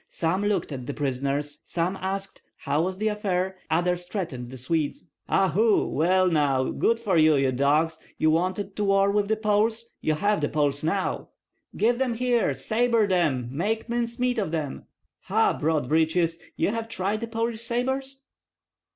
Some looked at the prisoners; some asked, "How was the affair?" others threatened the Swedes. "Ah hu! Well now, good for you, ye dogs! Ye wanted to war with the Poles? Ye have the Poles now!" "Give them here! Sabre them, make mince meat of them!" "Ha, broad breeches! ye have tried the Polish sabres?"